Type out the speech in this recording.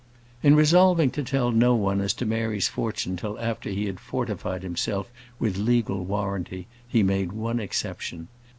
In resolving to tell no one as to Mary's fortune till after he had fortified himself with legal warranty, he made one exception.